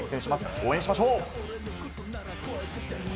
応援しましょう。